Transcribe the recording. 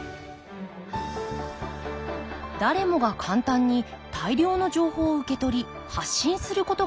誰もが簡単に大量の情報を受け取り発信することができる